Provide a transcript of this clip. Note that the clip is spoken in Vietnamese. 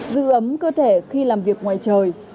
giữ ấm cơ thể khi làm việc ngoài trời